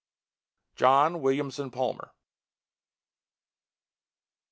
JOHN WILLIAMSON PALMER.